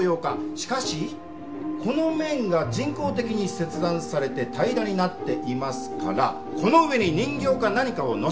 しかしこの面が人工的に切断されて平らになっていますからこの上に人形か何かを載せていた！